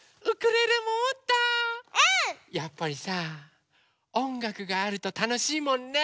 やっぱりさおんがくがあるとたのしいもんね！ね！